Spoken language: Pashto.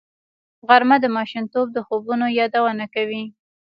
غرمه د ماشومتوب د خوبونو یادونه کوي